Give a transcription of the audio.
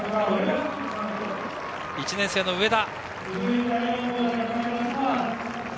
１年生の上田。